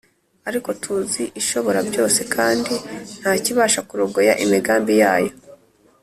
Ariko tuzi ishobora byose kandi ntakibasha kurogoya imigambi yayo